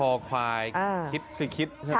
คอควายคิดซิคิด